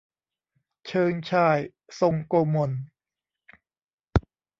เชิงชาย ทรงโกมล